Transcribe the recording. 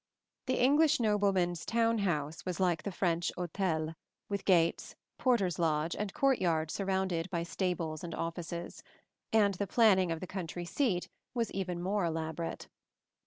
The English nobleman's town house was like the French hôtel, with gates, porter's lodge, and court yard surrounded by stables and offices; and the planning of the country seat was even more elaborate.